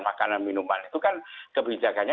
makanan minuman itu kan kebijakannya